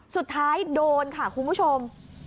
สุดท้ายโดนค่ะคุณผู้ชม